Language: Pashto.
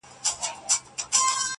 یا شریک دي د ناولو یا پخپله دي ناولي!